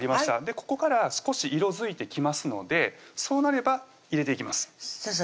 ここから少し色づいてきますのでそうなれば入れていきます先生